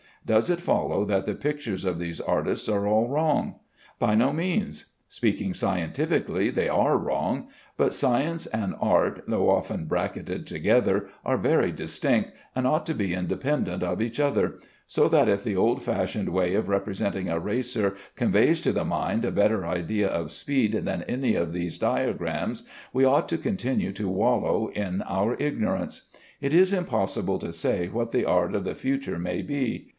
Does it follow that the pictures of these artists are all wrong? By no means. Speaking scientifically, they are wrong, but science and art, though often bracketed together, are very distinct, and ought to be independent of each other; so that if the old fashioned way of representing a racer conveys to the mind a better idea of speed than any of these diagrams, we ought to continue to wallow in our ignorance. It is impossible to say what the art of the future may be.